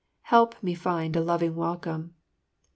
Help me find a loving welcome."